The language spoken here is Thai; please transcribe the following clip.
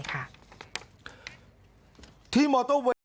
ต่อไปค่ะ